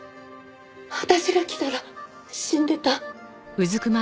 私が来たら死んでた。